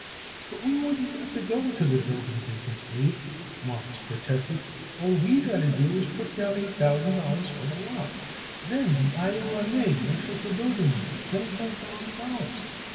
"But we wouldn't got to go into the building business, Abe," Morris protested. "All we got to do is to put down eight thousand dollars for the lot. Then the I. O. M. A. makes us a building loan of twenty five thousand dollars.